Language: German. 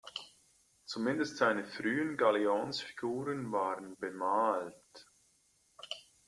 Zumindest seine frühen Galionsfiguren waren bemalt.